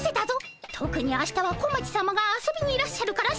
とくに明日は小町さまが遊びにいらっしゃるから慎重にな。